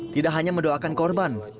tidak hanya mendoakan korban